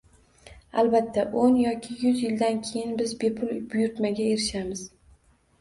Albatta, o'n yoki yuz yildan keyin biz bepul buyurtmaga erishamiz